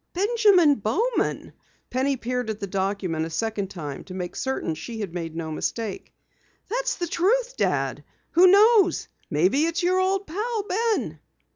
"Benjamin Bowman." Penny peered at the document a second time to make certain she had made no mistake. "That's the truth, Dad. Who knows, maybe it's your old pal, Ben!"